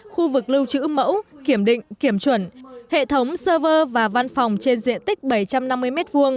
khu vực lưu trữ mẫu kiểm định kiểm chuẩn hệ thống server và văn phòng trên diện tích bảy trăm năm mươi m hai